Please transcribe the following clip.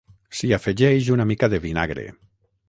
s'hi afegeix una mica de vinagre